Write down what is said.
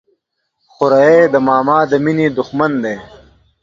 خوريي د ماما د ميني د ښمن دى.